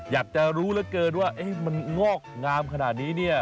อยากจะรู้เหลือเกินว่ามันงอกงามขนาดนี้เนี่ย